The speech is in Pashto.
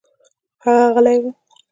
هغه غلى و.